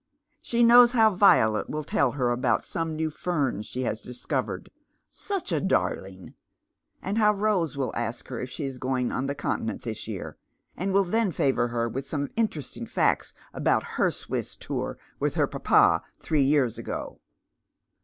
She knows how Violet will tell her about some new fern she has discovered, " such a darling "; and how Eose will ask her if she is going on the Continent this year, and will then favour her with some interesting facts about her Swiss tour with papa three years ago.